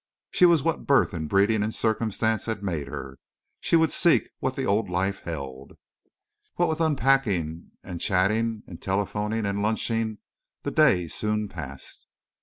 She was what birth and breeding and circumstance had made her. She would seek what the old life held. What with unpacking and chatting and telephoning and lunching, the day soon passed.